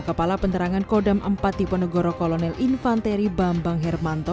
kepala penerangan kodam empat tiponegoro kolonel infanteri bambang hermanto